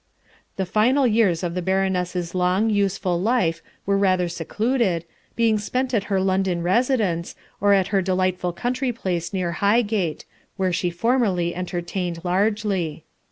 The final years of the Baroness' long, useful life were rather secluded, being spent at her London residence, or at her delightful country place near Highgate, where she formerly entertained largely.